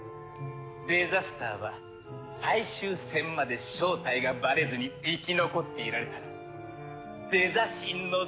デザスターは最終戦まで正体がバレずに生き残っていられたらデザ神の座を横取りできる。